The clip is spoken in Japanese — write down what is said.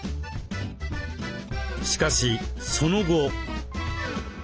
しかしその後。